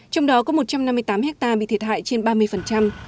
trong đó có một trăm năm mươi tám hectare bị thiệt hại trên ba mươi